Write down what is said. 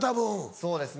そうですね